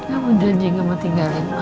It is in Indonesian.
aku janji gak mau tinggalin mama